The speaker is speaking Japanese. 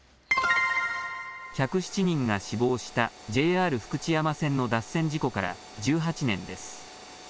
１０７人が死亡したＪＲ福知山線の脱線事故から１８年です。